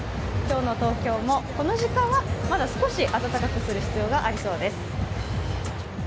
今日の東京もこの時間はまだ少し暖かくする必要がありそうです。